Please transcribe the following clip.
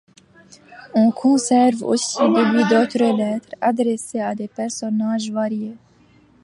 On conserve aussi de lui d'autres lettres adressées à des personnages variés.